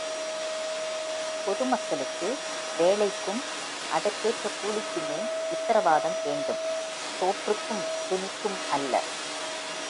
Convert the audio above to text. பொதுமக்களுக்கு வேலைக்கும், அதற்கேற்ற கூலிக்குமே உத்தரவாதம் வேண்டும் சோற்றுக்கும் துணிக்கும் அல்ல.